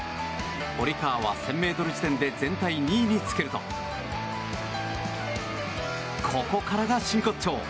堀川は、１０００ｍ時点で全体２位につけるとここからが真骨頂！